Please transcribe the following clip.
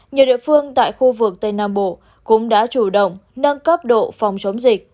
nhiều địa phương tại khu vực tây nam bộ cũng đã chủ động nâng cấp độ phòng chống dịch